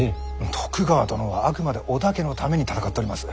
徳川殿はあくまで織田家のために戦っとります。